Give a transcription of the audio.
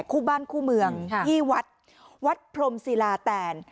คู่บ้านคู่เมืองที่วัดวัดพรมศิลาแตน